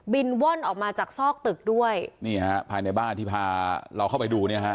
ว่อนออกมาจากซอกตึกด้วยนี่ฮะภายในบ้านที่พาเราเข้าไปดูเนี่ยฮะ